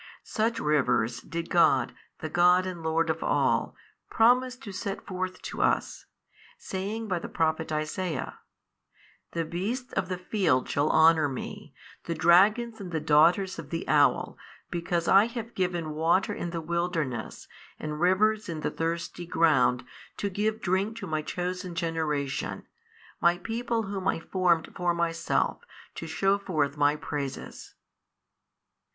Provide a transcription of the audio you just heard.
Such rivers did God, the God and Lord of all, promise to set forth to us, saying by the Prophet Isaiah, The beasts of the field shall honour Me, the dragons and the daughters of the owl, because I have given water in the wilderness and rivers in the thirsty ground to give drink to My chosen generation, My people whom I formed for Myself to shew forth My praises.